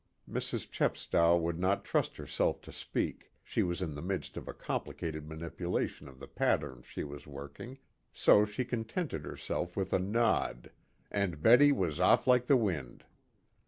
Mrs. Chepstow would not trust herself to speak, she was in the midst of a complicated manipulation of the pattern she was working, so she contented herself with a nod, and Betty was off like the wind.